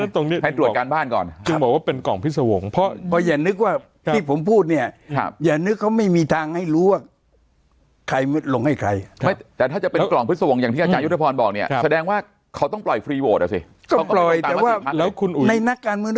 ตรงนี้ให้ตรวจการบ้านก่อนจึงบอกว่าเป็นกล่องพิสวงเพราะ